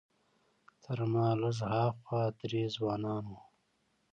تر ما لږ ها خوا درې ځوانان وو.